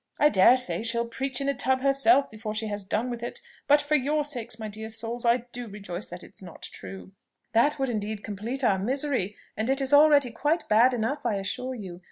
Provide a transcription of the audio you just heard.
I dare say she'll preach in a tub herself before she has done with it; but for your sakes, my dear souls, I do rejoice that it is not true." "That would indeed complete our misery; and it is already quite bad enough, I assure you.